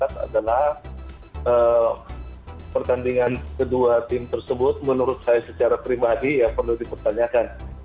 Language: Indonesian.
yang kedua adalah pertandingan kedua tim tersebut menurut saya secara pribadi perlu dipertanyakan